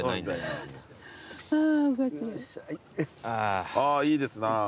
あぁいいですな。